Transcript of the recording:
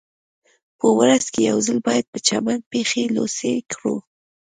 په ورځ کې یو ځل باید په چمن پښې لوڅې کړو